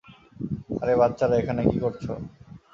আরে বাচ্চারা এখানে কি করছ?